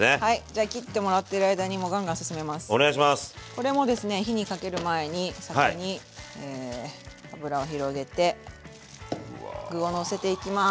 これもですね火にかける前に先に油を広げて具をのせていきます。